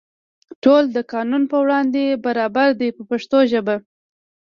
ټول د قانون په وړاندې برابر دي په پښتو ژبه.